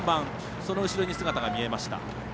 その後ろに姿が見えました。